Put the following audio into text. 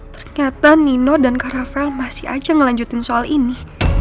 ternyata nino dan karamel masih aja ngelanjutin soal ini